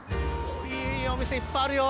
いいお店いっぱいあるよ！